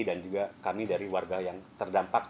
dan juga kami dari warga yang terdampak